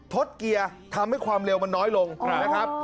ดเกียร์ทำให้ความเร็วมันน้อยลงนะครับ